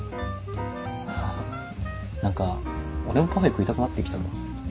何か俺もパフェ食いたくなってきたな。